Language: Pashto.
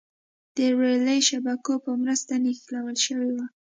د رېلي شبکو په مرسته نښلول شوې وه.